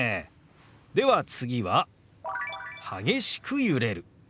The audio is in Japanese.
では次は「激しく揺れる」。